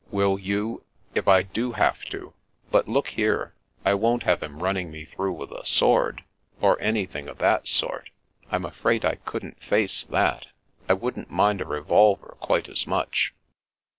Will you — if I do have to— but look here, I won't have him nmning me through with a sword, or anything of that sort. I'm afraid I couldn't face that. I wouldn't mind a revolver quite as much."